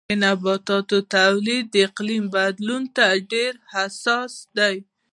د نباتاتو تولید د اقلیم بدلون ته ډېر حساس دی.